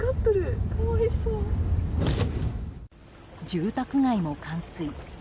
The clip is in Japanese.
住宅街も冠水。